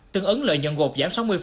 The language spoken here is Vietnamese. tương ứng lợi nhận gộp giảm sáu mươi